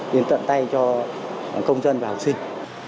đến tận tay cho công dân và học sinh